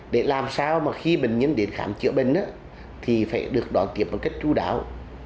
để làm sao mà khi bệnh nhân đến khám chữa bệnh thì phải được đón tiếp một cách chú đáo